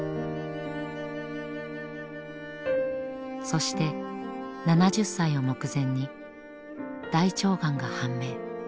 そして７０歳を目前に大腸がんが判明。